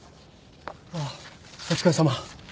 ああお疲れさま。